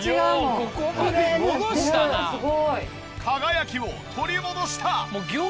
輝きを取り戻した！